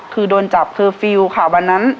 คือโดนจับเคอร์ฟิลล์ค่ะวันนั้น